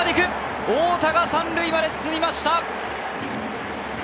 太田が３塁まで進みました。